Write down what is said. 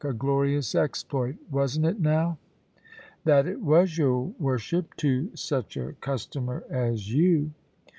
A glorious exploit; wasn't it now?" "That it was, your worship, to such a customer as you."